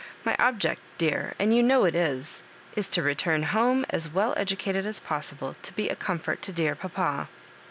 My object, dear, and you know it, is to return home as well educated as possible, to be a com fort to dear papa."